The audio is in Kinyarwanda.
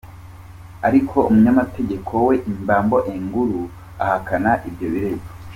Ariko umunyamategeko we Imbambo Engulu ahakana ibyo birego.